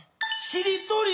しりとり？